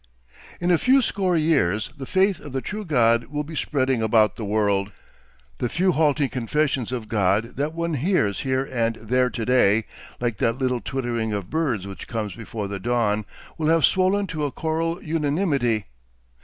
In a few score years the faith of the true God will be spreading about the world. The few halting confessions of God that one hears here and there to day, like that little twittering of birds which comes before the dawn, will have swollen to a choral unanimity.